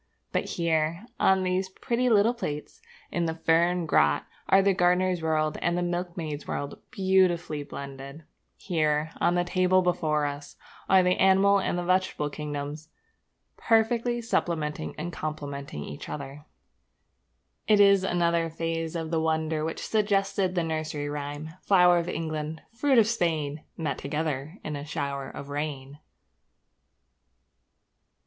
But here, on these pretty little plates in the fern grot are the gardener's world and the milkmaid's world beautifully blended. Here, on the table before us, are the animal and the vegetable kingdom perfectly supplementing and completing each other. It is another phase of the wonder which suggested the nursery rhyme: Flour of England, fruit of Spain, Met together in a shower of rain.